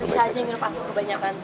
risa aja yang masuk kebanyakan